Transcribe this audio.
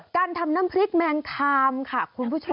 การทำน้ำพริกแมงคามค่ะคุณผู้ชม